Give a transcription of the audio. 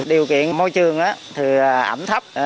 điều kiện môi trường ẩm thấp